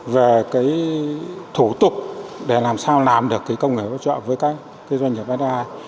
về thủ tục để làm sao làm được công nghệ bất chọn với các doanh nghiệp fdi